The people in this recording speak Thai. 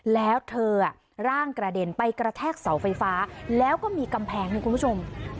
แล้วเธอร่างกระเด็นไปกระแทกเสาไฟฟ้าแล้วก็มีกำแพงนะคุณผู้ชม